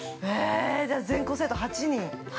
全校生徒８人。